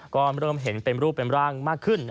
ก็เริ่มเห็นเป็นรูปเป็นร่างมากขึ้น